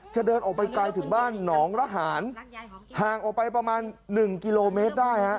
จะเดินออกไปไกลถึงบ้านหนองระหารห่างออกไปประมาณ๑กิโลเมตรได้ฮะ